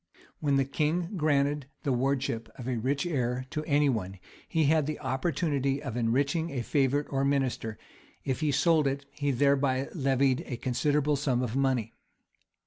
When the king granted the wardship of a rich heir to any one, he had the opportunity of enriching a favorite or minister: if he sold it, he thereby levied a considerable sum of money.